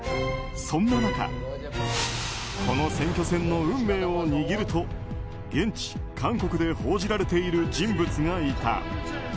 そんな中この選挙戦の運命を握ると現地・韓国で報じられている人物がいた。